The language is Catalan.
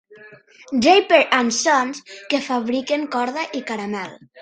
"Draper and Sons", que fabriquen corda i caramell